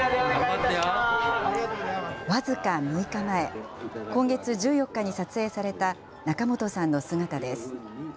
僅か６日前、今月１４日に撮影された仲本さんの姿です。